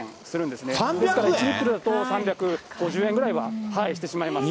ですから１リットルだと３５０円くらいはしてしまいます。